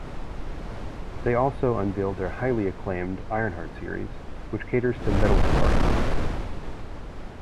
They also unveiled their highly acclaimed Ironheart series, which caters to metal guitarists.